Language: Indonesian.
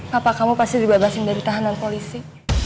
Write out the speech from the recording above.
bapak kamu pasti dibebasin dari tahanan polisi